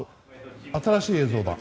新しい映像だ！